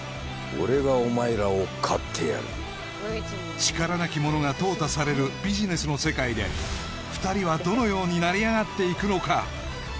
俺がお前らを買ってやる力なき者が淘汰されるビジネスの世界で２人はどのように成り上がっていくのか？